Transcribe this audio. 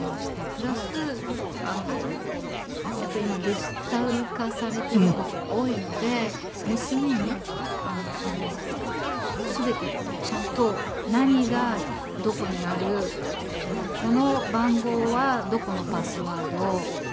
プラスやっぱり今デジタル化されている事が多いので娘に全てちゃんと何がどこにあるこの番号はどこのパスワード。